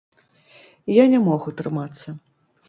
Я не мог утрымацца.